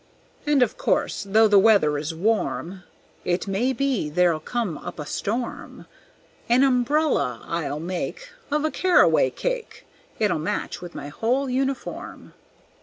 "And of course, though the weather is warm, It may be there'll come up a storm; An umbrella I'll make Of a caraway cake, It'll match with my whole uniform.